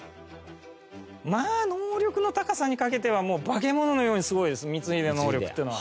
まあ能力の高さにかけては化け物のようにすごいです光秀の能力っていうのは。